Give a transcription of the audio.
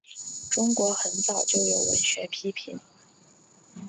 中国很早就有文学批评。